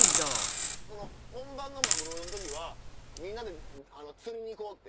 本番のマグロの時はみんなで釣りに行こうって。